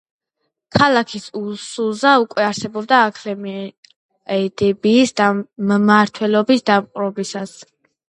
ქალაქი სუზა უკვე არსებობდა აქემენიდების მმართველობის დამყარებისას.